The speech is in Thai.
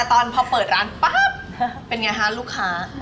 เตร่งมาก